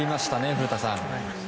古田さん。